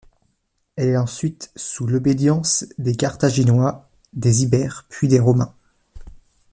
Elle est ensuite sous l'obédience des Carthaginois, des Ibères, puis des Romains.